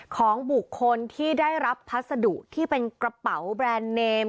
ของบุคคลที่ได้รับพัสดุที่เป็นกระเป๋าแบรนด์เนม